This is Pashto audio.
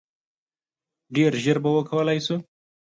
ډیر ژر به وکولای شو.